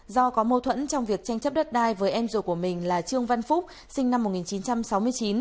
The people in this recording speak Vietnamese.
do có mâu thuẫn trong việc tranh chấp đất đai với em ruột của mình là trương văn phúc sinh năm một nghìn chín trăm sáu mươi chín